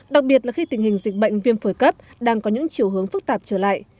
đặc biệt là khi tình hình dịch bệnh viêm phổi cấp đang có những chiều hướng phức tạp trở lại